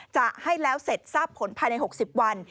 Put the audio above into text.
จะให้แล้วเสร็จทราบผลภายใน๖๐วัน